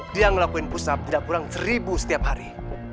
dia ngelakuin push up tidak kurang seribu setiap hari